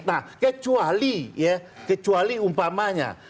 nah kecuali ya kecuali umpamanya